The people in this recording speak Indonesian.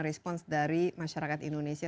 respons dari masyarakat indonesia